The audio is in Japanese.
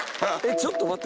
ちょっと待って。